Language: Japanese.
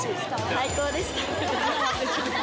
最高です。